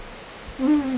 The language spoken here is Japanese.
うん。